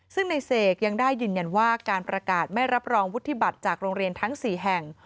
ซึ่งในเสกยังได้ยืนยันว่าการประกาศไม่รับรองวุฒิบัตรจากโรงเรียนทั้ง๔แห่ง